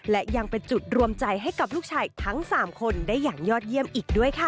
และยังเป็นจุดรวมใจให้กับลูกชายทั้ง๓คนได้อย่างยอดเยี่ยมอีกด้วยค่ะ